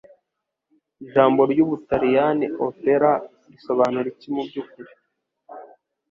Ijambo ry'Ubutaliyani Opera risobanura iki mubyukuri